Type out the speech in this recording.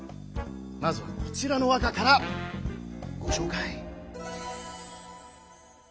まずはこちらの和歌からごしょうかい。